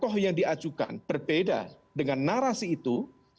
tokoh yang diajukan berbeda dengan narasi itu